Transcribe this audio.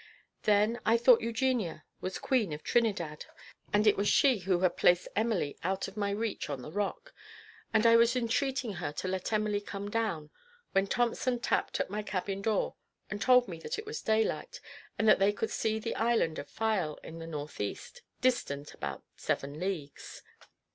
Then I thought Eugenia was queen of Trinidad, and that it was she who had placed Emily out of my reach on the rock; and I was entreating her to let Emily come down, when Thompson tapped at my cabin door, and told me that it was daylight, and that they could see the island of Fayal in the north east, distant about seven leagues.